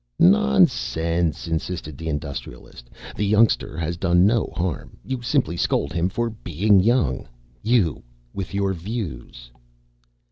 "Nonsense," insisted the Industrialist. "The youngster has done no harm. You simply scold him for being young. You, with your views!"